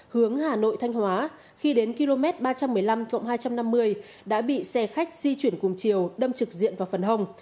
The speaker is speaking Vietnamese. hướng hà nội thanh hóa khi đến km ba trăm một mươi năm hai trăm năm mươi đã bị xe khách di chuyển cùng chiều đâm trực diện vào phần hồng